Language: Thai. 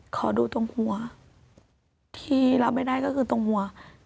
ขอดูตรงหัวที่รับไม่ได้ก็คือตรงหัว